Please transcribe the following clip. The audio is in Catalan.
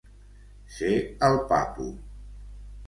Ser el papu.